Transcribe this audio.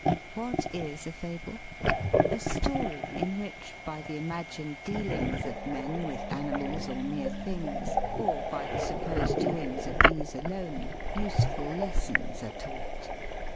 What is a fable? "A story in which, by the imagined dealings of men with animals or mere things, or by the supposed doings of these alone, useful lessons are taught."